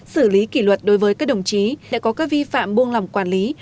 xử lý kỷ luật đối với các đồng chí đã có các vi phạm buông lòng quản lý